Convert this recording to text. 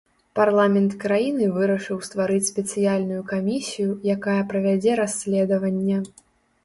Парламент краіны вырашыў стварыць спецыяльную камісію, якая правядзе расследаванне.